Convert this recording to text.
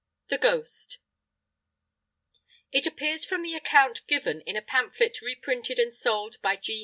THE GHOST It appears from the account given in a pamphlet reprinted and sold by G.